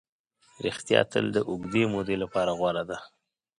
ریښتیا تل د اوږدې مودې لپاره غوره ده.